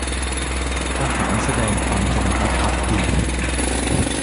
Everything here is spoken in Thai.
ทหารแสดงความจงรักภักดี